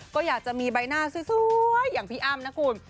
ก็อยากจะมีใบหน้าสวยอย่างพี่อ้ำนะคุณ